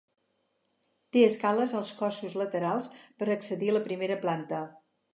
Té escales als cossos laterals per accedir a la primera planta.